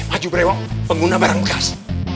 maju brewok pengguna barang bekas